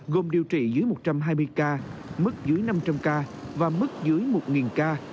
gồm điều trị dưới một trăm hai mươi ca mức dưới năm trăm linh ca và mức dưới một ca